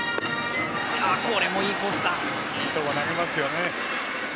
いいところ投げますよね。